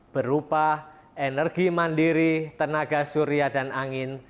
berupa energi mandiri tenaga surya dan angin